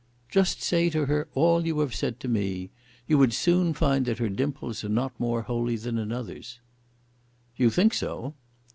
"Just say to her all that you have said to me. You would soon find that her dimples are not more holy than another's." "You think so."